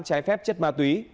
trái phép chất ma túy